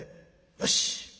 「よし！